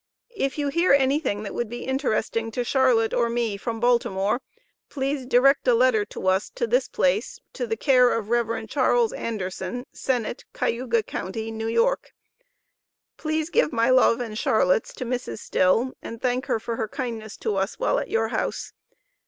If you hear anything that would be interesting to Charlotte or me from Baltimore, please direct a letter to us to this place, to the care of Revd. Chas. Anderson, Sennett, Cayuga Co., N.Y. Please give my love and Charlotte's to Mrs. Still and thank her for her kindness to us while at your house.